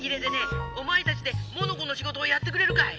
お前たちでモノコのしごとをやってくれるかい？